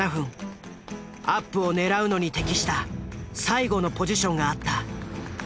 アップを狙うのに適した最後のポジションがあった。